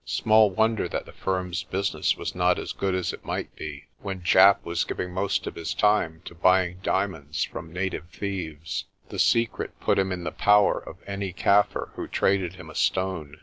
Small wonder that the firm's business was not as good as it might be, when Japp was giving most of his time to buying diamonds from native thieves. The secret put him in the power of any Kaffir who traded him a stone.